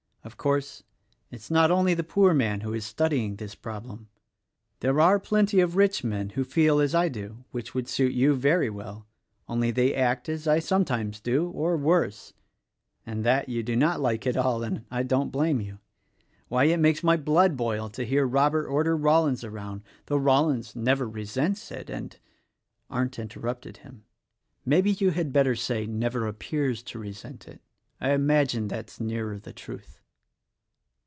Of course, it is not only the poor man who is studying this problem. There are plenty of rich men who feel as I do — which would suit you very well, — only they act as I sometimes do, or worse — and that you do not like at all: and I do not blame you. Why, it makes my blood boil to hear Robert order Rollins around. — though Rollins never resents it, and —" Arndt interrupted him: "Maybe you had better say, 52 THE RECORDING ANGEL Never appears to resent it. I imagine that is nearer the truth."